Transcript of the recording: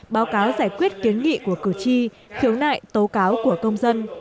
báo cáo giải quyết kiến nghị của cử tri khiếu nại tố cáo của công dân